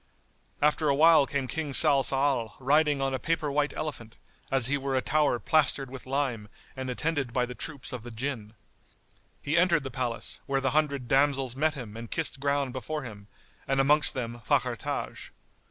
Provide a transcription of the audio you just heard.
After a while came King Salsal, riding on a paper white elephant, as he were a tower plastered with lime and attended by the troops of the Jinn. He entered the palace, where the hundred damsels met him and kissed ground before him, and amongst them Fakhr Taj.